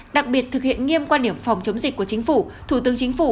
đặc biệt thực hiện nghiêm quan điểm phòng chống dịch của chính phủ thủ tướng chính phủ